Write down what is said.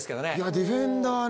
ディフェンダーね。